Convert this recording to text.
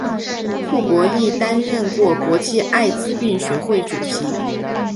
库珀亦担任过国际艾滋病学会主席。